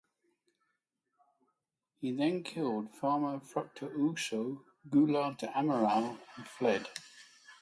He then killed farmer Fructuoso Goulart do Amaral and fled.